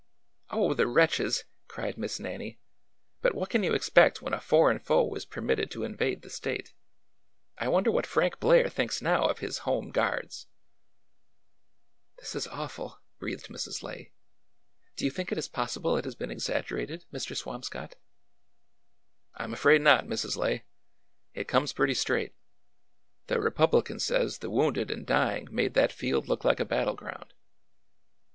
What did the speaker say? " Oh, the wretches! " cried Miss Nannie. " But what can you expect when a foreign foe is permitted to invade the State. I wonder what Frank Blair thinks now of his Home Guards !"" This is awful !" breathed Mrs. Lay. " Do you A WORKING HIVE i8i think it is possible it has been exaggerated, Mr. Swam scott ?" I 'm afraid not, Mrs. Lay. It comes pretty straight. The ^ Republican ' says the wounded and dying made that field look like a battle ground."